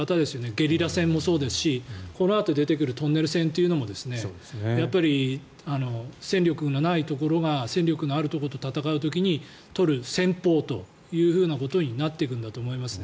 ゲリラ戦もそうですしこのあとに出てくるトンネル戦というのも戦力がないところが戦力のあるところと戦う時に取る戦法というふうなことになってくるんだと思います。